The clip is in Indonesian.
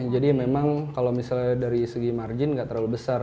jadi memang kalau misalnya dari segi margin nggak terlalu besar